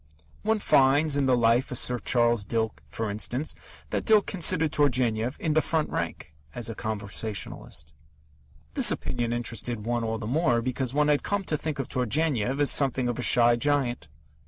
One finds in the Life of Sir Charles Dilke, for instance, that Dilke considered Turgenev "in the front rank" as a conversationalist. This opinion interested one all the more because one had come to think of Turgenev as something of a shy giant.